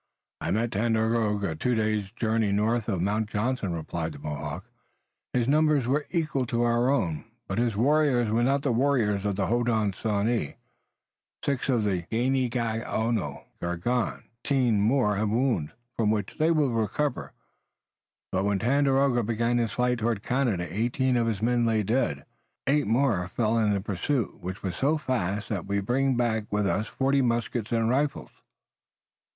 "I met Tandakora two days' journey north of Mount Johnson," replied the Mohawk. "His numbers were equal to our own, but his warriors were not the warriors of the Hodenosaunee. Six of the Ganeagaono are gone, Waraiyageh, and sixteen more have wounds, from which they will recover, but when Tandakora began his flight toward Canada eighteen of his men lay dead, eight more fell in the pursuit, which was so fast that we bring back with us forty muskets and rifles."